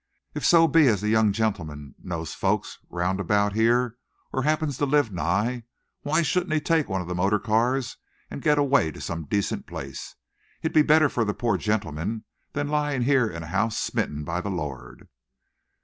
If so be as the young gentleman knows folks round about here, or happens to live nigh, why shouldn't he take one of them motor cars and get away to some decent place? It'll be better for the poor gentleman than lying here in a house smitten by the Lord."